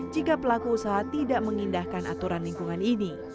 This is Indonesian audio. jika pelaku usaha tidak mengindahkan aturan lingkungan ini